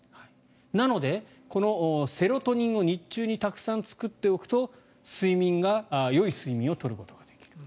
なので、このセロトニンを日中にたくさん作っておくと睡眠がよい睡眠を取ることができる。